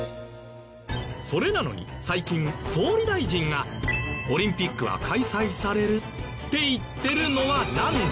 それなのに最近総理大臣が「オリンピックは開催される」って言ってるのはなんでなの？